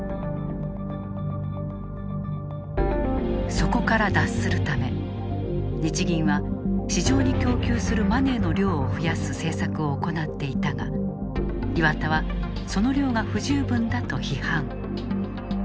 そこから脱するため日銀は市場に供給するマネーの量を増やす政策を行っていたが岩田はその量が不十分だと批判。